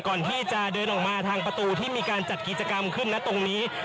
ก่อนที่จะเดินออกมาทางประตูที่มีการจัดกิจกรรมขึ้นนะตรงนี้